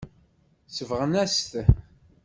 Sebɣen-as-t.